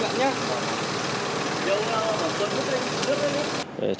thì anh không được dùng đón chạm khách